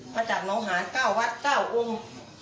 มาจากหนองหาแก้ววัดแก้วองค์